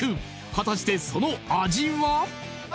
果たしてその味は？